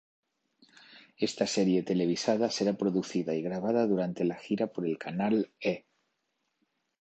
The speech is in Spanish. Esta serie televisada será producida y grabada durante la gira por el canal E!.